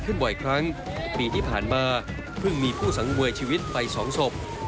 บ่อยครั้งปีที่ผ่านมาเพิ่งมีผู้สังเวยชีวิตไปสองศพ